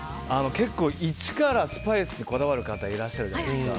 結構一からスパイスにこだわる方いらっしゃるじゃないですか。